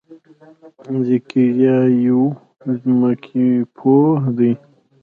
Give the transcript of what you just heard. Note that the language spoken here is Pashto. ذکریا یو ځمکپوه دی.